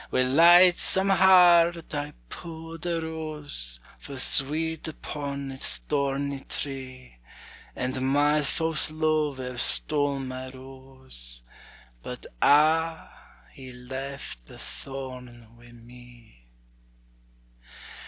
Wi' lightsome heart I pou'd a rose, Fu' sweet upon its thorny tree; And my fause luver stole my rose, But ah! he left the thorn wi' me.